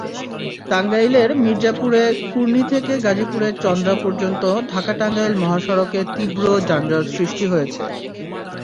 টাঙ্গাইলের মির্জাপুরের কুর্ণী থেকে গাজীপুরের চন্দ্রা পর্যন্ত ঢাকা-টাঙ্গাইল মহাসড়কে তীব্র যানজট সৃষ্টি হয়েছে।